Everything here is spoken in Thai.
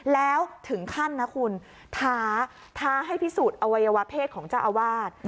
แล้วถึงขั้นนะคุณท้าท้าให้พิสูจน์อวัยวะเพศของเจ้าอาวาส